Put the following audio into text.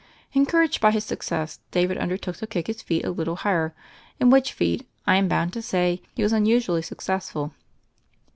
Encouraged by his success, David under took to kick his feet a little higher; in which feat, I am bound to say, he was unusually suc cessful.